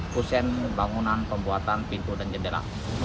kusen bangunan pembuatan pintu dan jendela